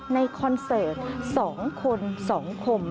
คอนเสิร์ต๒คน๒คม